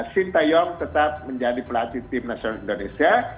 sintayong tetap menjadi pelatih tim nasional indonesia